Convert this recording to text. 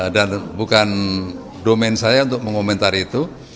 dan bukan domain saya untuk mengomentari itu